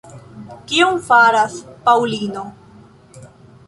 Kion faras Paŭlino?